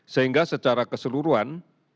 sehingga secara keseluruhan